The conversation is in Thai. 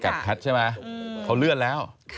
แก๊ดแพทใช่ไหมเขาเลื่อนแล้ว